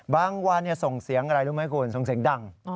บางวันเนี่ยส่งเสียงสังเสียงดั่ง